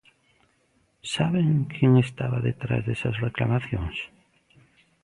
¿Saben quen estaba detrás desas reclamacións?